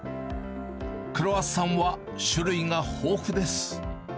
クロワッサンは種類が豊富です。